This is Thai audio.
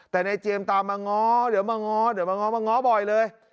แต่นายเจมส์ตามมาง้อเดี๋ยวมาง้อเดี๋ยวมาง้อมาง้อบ่อยเลย